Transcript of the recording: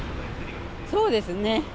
そうですね。